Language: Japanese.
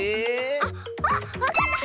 ⁉あっあっわかった！